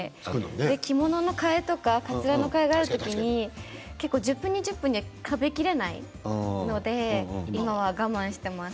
着物の替えとかかつらの替えがある時に１０分、２０分で食べきることができないので今は我慢しています。